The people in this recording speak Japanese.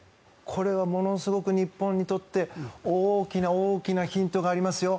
これはものすごく日本にとって大きな大きなヒントがありますよ。